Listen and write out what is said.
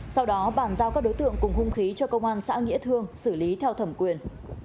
sau đó bàn giao các đối tượng cùng hung khí cho công an xã nghĩa thương xử lý theo thẩm quyền